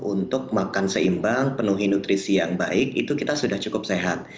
untuk makan seimbang penuhi nutrisi yang baik itu kita sudah cukup sehat